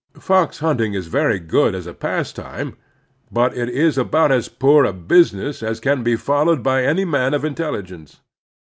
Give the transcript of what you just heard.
Fox himting is very good as a pastime, but it is about as poor a business as can be followed by any man of intelligence.